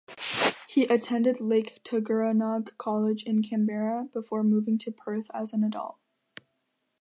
He attended Lake Tuggeranong College in Canberra, before moving to Perth as an adult.